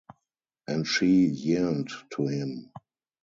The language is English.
And she yearned to him.